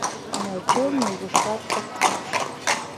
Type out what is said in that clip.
Но чон нигушкат ок шупш.